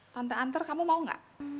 tante antar kamu mau gak